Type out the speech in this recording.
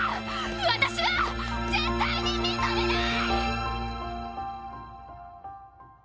私は絶対に認めない！